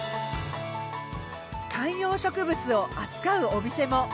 観葉植物を扱うお店も。